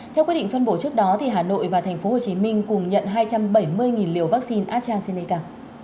theo quyết định phân bổ trước đó hà nội và tp hcm cùng nhận hai trăm bảy mươi liều vaccine astrancineca